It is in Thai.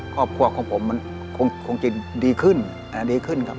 ครอบครัวของผมมันคงจะดีขึ้นดีขึ้นครับ